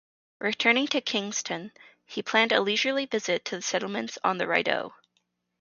Returning to Kingston, he planned a leisurely visit to the settlements on the Rideau.